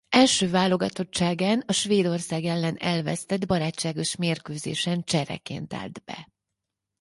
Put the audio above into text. Első válogatottságán a Svédország ellen elvesztett barátságos mérkőzésen csereként állt be.